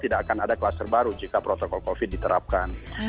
tidak akan ada kluster baru jika protokol covid diterapkan